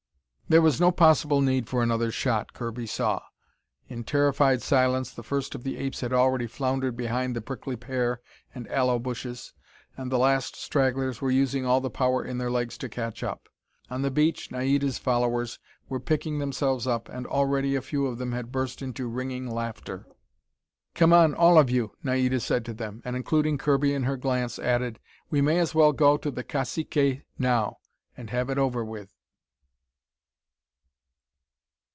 There was no possible need for another shot, Kirby saw. In terrified silence, the first of the apes had already floundered behind the prickly pear and aloe bushes, and the last stragglers were using all the power in their legs to catch up. On the beach, Naida's followers were picking themselves up, and already a few of them had burst into ringing laughter. "Come on, all of you," Naida said to them, and, including Kirby in her glance, added, "We may as well go to the caciques now, and have it over with."